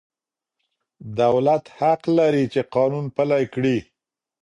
دولت حق لري چي قانون پلي کړي.